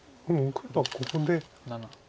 黒はここで。